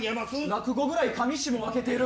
落語ぐらい上下分けてる。